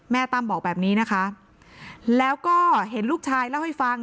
ตั้มบอกแบบนี้นะคะแล้วก็เห็นลูกชายเล่าให้ฟัง